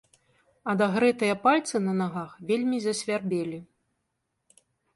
Адагрэтыя пальцы на нагах вельмі засвярбелі.